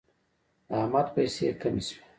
د احمد پیسې کمې شوې.